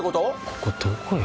ここどこよ？